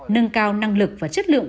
nâng cao năng lực và chất lượng